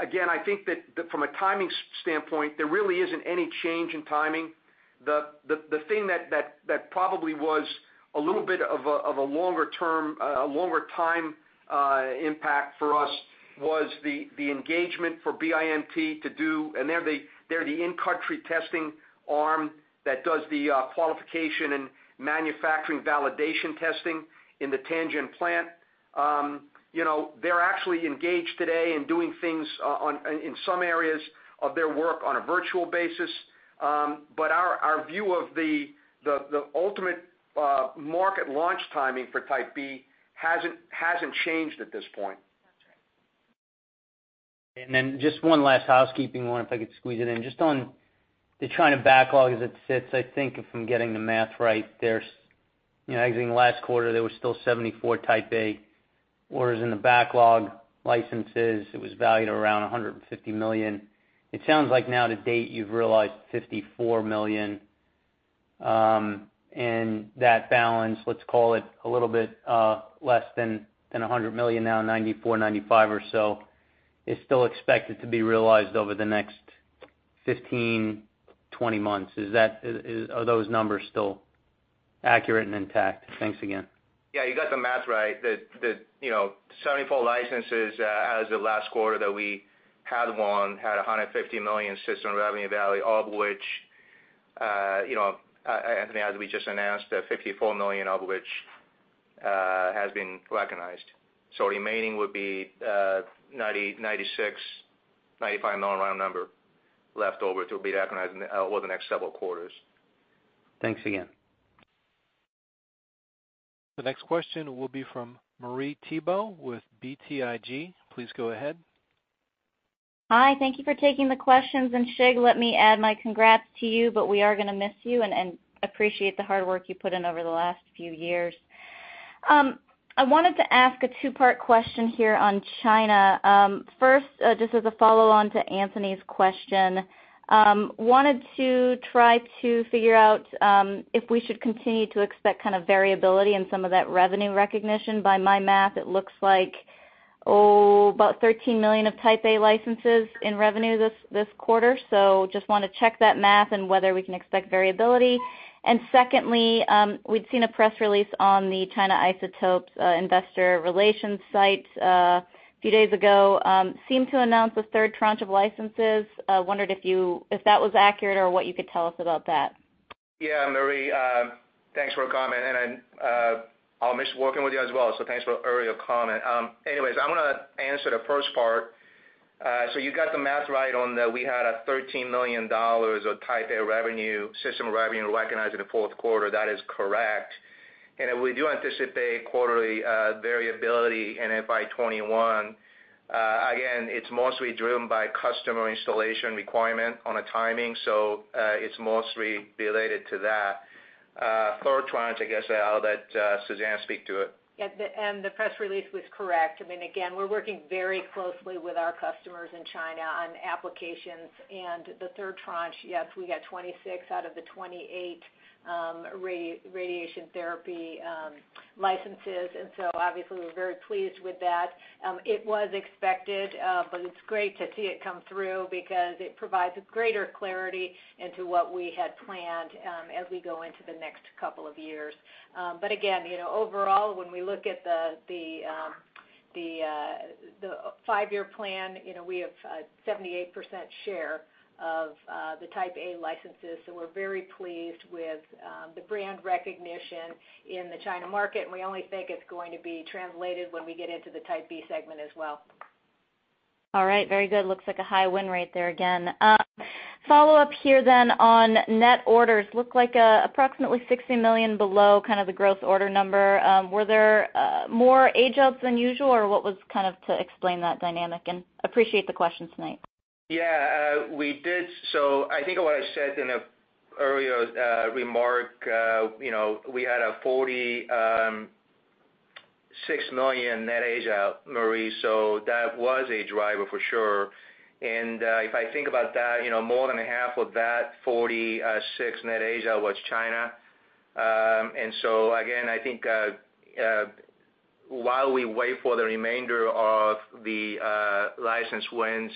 again, I think that from a timing standpoint, there really isn't any change in timing. The thing that probably was a little bit of a longer time impact for us was the engagement for BIMT to do, and they're the in-country testing arm that does the qualification and manufacturing validation testing in the Tianjin plant. They're actually engaged today in doing things in some areas of their work on a virtual basis. Our view of the ultimate market launch timing for Type B hasn't changed at this point. That's right. Just one last housekeeping one, if I could squeeze it in. Just on the China backlog as it sits, I think if I'm getting the math right, exiting last quarter, there was still 74 Type A orders in the backlog licenses. It was valued around $150 million. It sounds like now to date, you've realized $54 million. That balance, let's call it a little bit less than $100 million now, $94, $95 or so, is still expected to be realized over the next 15, 20 months. Are those numbers still accurate and intact? Thanks again. Yeah, you got the math right. The 74 licenses as of last quarter that we had won, had $150 million system revenue value, Anthony, as we just announced, $54 million of which has been recognized. Remaining would be $96 million, $95 million round number left over to be recognized over the next several quarters. Thanks again. The next question will be from Marie Thibault with BTIG. Please go ahead. Hi, thank you for taking the questions. Shig, let me add my congrats to you, but we are going to miss you and appreciate the hard work you've put in over the last few years. I wanted to ask a two-part question here on China. First, just as a follow-up to Anthony's question. Wanted to try to figure out if we should continue to expect variability in some of that revenue recognition. By my math, it looks like about $13 million of Type A licenses in revenue this quarter. Just want to check that math and whether we can expect variability. Secondly, we'd seen a press release on the China Isotopes investor relations site a few days ago. Seemed to announce a third tranche of licenses. Wondered if that was accurate, or what you could tell us about that? Marie. Thanks for comment, and I'll miss working with you as well, so thanks for your comment. Anyways, I'm going to answer the first part. You got the math right on that we had a $13 million of Type A revenue, system revenue recognized in the fourth quarter. That is correct. We do anticipate quarterly variability in FY 2021. Again, it's mostly driven by customer installation requirement on a timing. It's mostly related to that. Third tranche, I guess I'll let Suzanne speak to it. Yeah. The press release was correct. Again, we're working very closely with our customers in China on applications. The third tranche, yes, we got 26 out of the 28 radiation therapy licenses. Obviously, we're very pleased with that. It was expected, but it's great to see it come through because it provides a greater clarity into what we had planned as we go into the next couple of years. Again, overall, when we look at the five-year plan, we have a 78% share of the Type A licenses. We're very pleased with the brand recognition in the China market, and we only think it's going to be translated when we get into the Type B segment as well. All right. Very good. Looks like a high win rate there again. Follow-up here on net orders. Look like approximately $60 million below the gross order number. Were there more age outs than usual, or what was to explain that dynamic? Appreciate the question tonight. I think what I said in an earlier remark, we had a $46 million net age out, Marie, so that was a driver for sure. If I think about that, more than a half of that $46 million net age out was China. Again, I think while we wait for the remainder of the license wins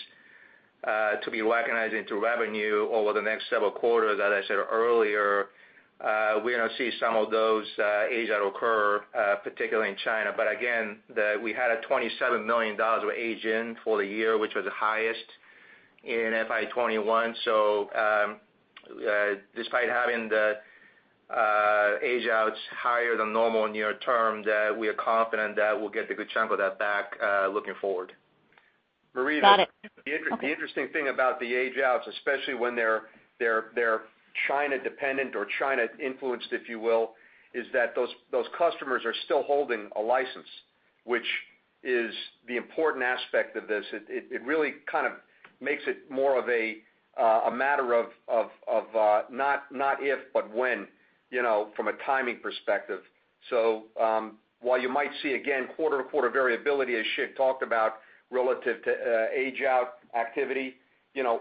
to be recognized into revenue over the next several quarters that I said earlier, we're going to see some of those age out occur, particularly in China. Again, we had a $27 million of age in for the year, which was the highest in FY 2021. Despite having the age outs higher than normal near term, we are confident that we'll get a good chunk of that back looking forward. Got it. Okay. Marie, the interesting thing about the age outs, especially when they're China-dependent or China-influenced, if you will, is that those customers are still holding a license, which is the important aspect of this. It really makes it more of a matter of not if, but when, from a timing perspective. While you might see, again, quarter-to-quarter variability, as Shig talked about, relative to age out activity, from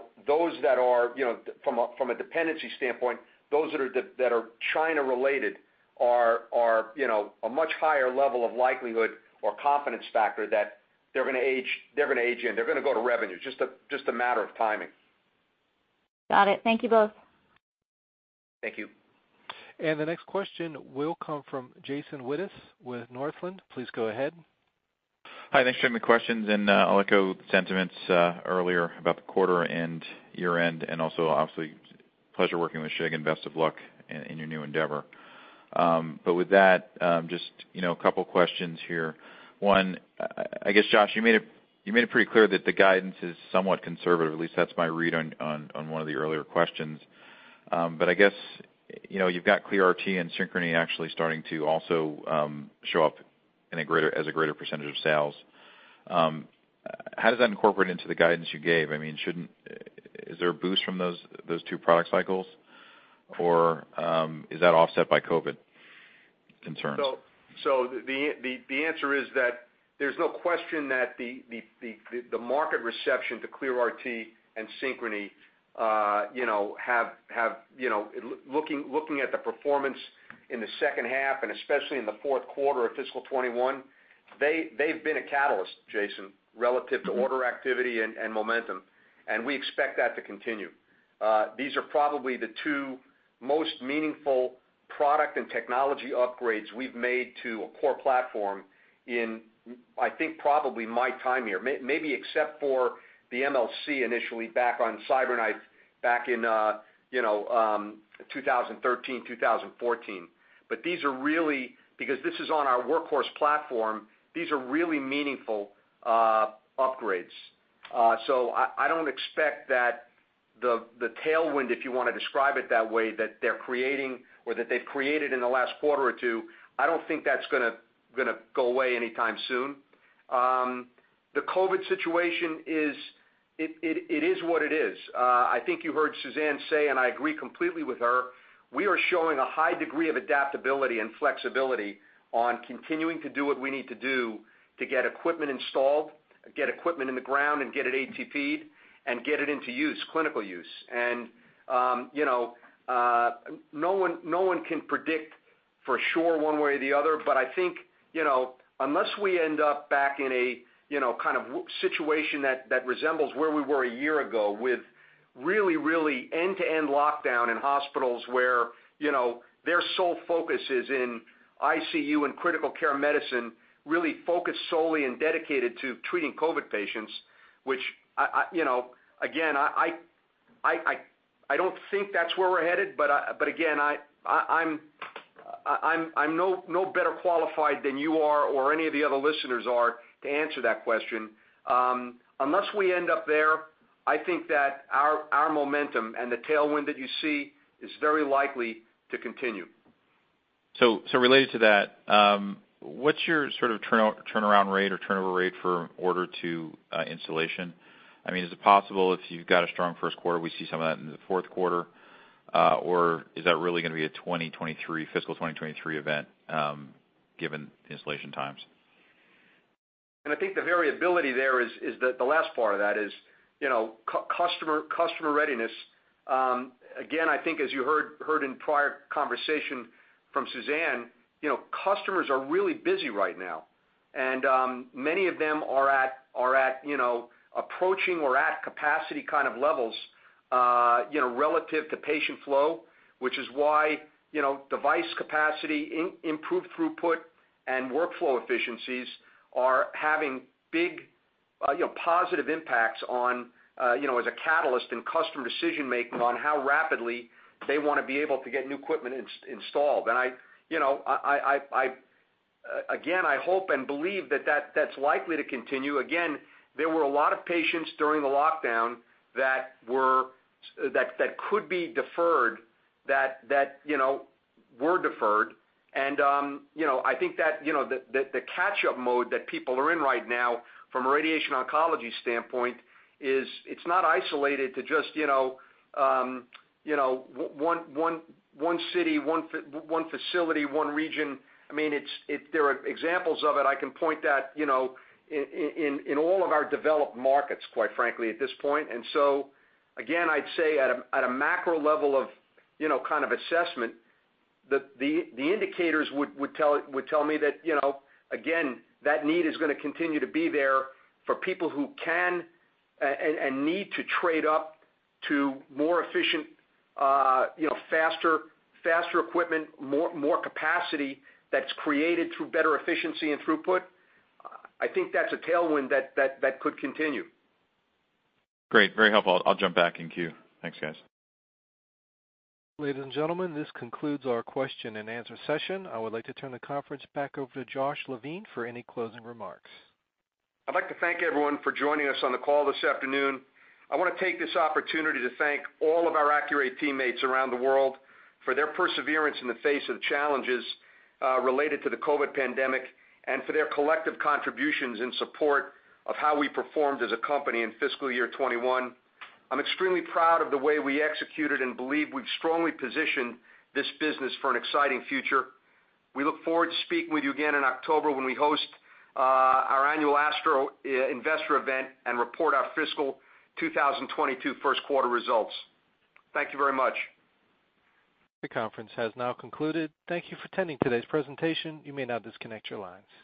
a dependency standpoint, those that are China-related are a much higher level of likelihood or confidence factor that they're going to age in. They're going to go to revenue. Just a matter of timing. Got it. Thank you both. Thank you. The next question will come from Jason Wittes with Northland. Please go ahead. Hi, thanks for the questions, and I'll echo sentiments earlier about the quarter and year-end, and also, obviously, pleasure working with Shig, and best of luck in your new endeavor. With that, just a couple questions here. One, I guess, Josh, you made it pretty clear that the guidance is somewhat conservative. At least that's my read on one of the earlier questions. I guess, you've got ClearRT and Synchrony actually starting to also show up as a greater percentage of sales. How does that incorporate into the guidance you gave? Is there a boost from those two product cycles, or is that offset by COVID concerns? The answer is that there's no question that the market reception to ClearRT and Synchrony, looking at the performance in the second half and especially in the fourth quarter of fiscal 2021, they've been a catalyst, Jason, relative to order activity and momentum. We expect that to continue. These are probably the two most meaningful product and technology upgrades we've made to a core platform in, I think, probably my time here. Maybe except for the MLC initially back on CyberKnife back in 2013, 2014. Because this is on our workhorse platform, these are really meaningful upgrades. I don't expect that the tailwind, if you want to describe it that way, that they're creating or that they've created in the last quarter or two, I don't think that's going to go away anytime soon. The COVID-19 situation is, it is what it is. I think you heard Suzanne say, and I agree completely with her, we are showing a high degree of adaptability and flexibility on continuing to do what we need to do to get equipment installed, get equipment in the ground and get it ATP'd, and get it into use, clinical use. No one can predict for sure one way or the other, but I think, unless we end up back in a kind of situation that resembles where we were a year ago with really end-to-end lockdown in hospitals where their sole focus is in ICU and critical care medicine, really focused solely and dedicated to treating COVID patients. Which, again, I don't think that's where we're headed, but again, I'm no better qualified than you are or any of the other listeners are to answer that question. Unless we end up there, I think that our momentum and the tailwind that you see is very likely to continue. Related to that, what's your sort of turnaround rate or turnover rate for order to installation? Is it possible if you've got a strong first quarter, we see some of that into the fourth quarter? Or is that really going to be a fiscal 2023 event, given installation times? I think the variability there is the last part of that is customer readiness. Again, I think as you heard in prior conversation from Suzanne, customers are really busy right now, and many of them are approaching or at capacity kind of levels relative to patient flow. Which is why device capacity, improved throughput, and workflow efficiencies are having big positive impacts as a catalyst in customer decision-making on how rapidly they want to be able to get new equipment installed. Again, I hope and believe that that's likely to continue. Again, there were a lot of patients during the lockdown that could be deferred that were deferred. I think that the catch-up mode that people are in right now, from a radiation oncology standpoint is it's not isolated to just one city, one facility, one region. There are examples of it. I can point that in all of our developed markets, quite frankly, at this point. Again, I'd say at a macro level of kind of assessment, the indicators would tell me that, again, that need is going to continue to be there for people who can and need to trade up to more efficient, faster equipment, more capacity that's created through better efficiency and throughput. I think that's a tailwind that could continue. Great. Very helpful. I'll jump back in queue. Thanks, guys. Ladies and gentlemen, this concludes our question-and-answer session. I would like to turn the conference back over to Josh Levine for any closing remarks. I'd like to thank everyone for joining us on the call this afternoon. I want to take this opportunity to thank all of our Accuray teammates around the world for their perseverance in the face of challenges related to the COVID pandemic, and for their collective contributions in support of how we performed as a company in fiscal year 2021. I'm extremely proud of the way we executed and believe we've strongly positioned this business for an exciting future. We look forward to speaking with you again in October when we host our annual ASTRO investor event and report our fiscal 2022 first quarter results. Thank you very much. The conference has now concluded. Thank you for attending today's presentation. You may now disconnect your lines.